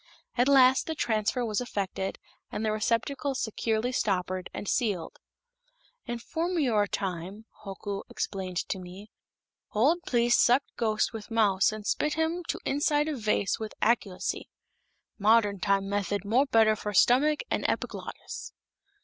At last the transfer was effected and the receptacle securely stoppered and sealed. "In formeryore time," Hoku explained to me, "old pliests sucked ghost with mouth and spit him to inside of vase with acculacy. Modern time method more better for stomach and epiglottis."